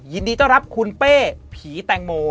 ยินดีต้อนรับคุณเป้ผีแตงโม